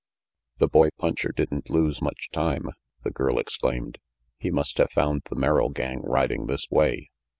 "The boy puncher didn't lose much time," the girl exclaimed. "He must have found the Merrill gang riding this way.